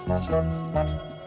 oh ini dia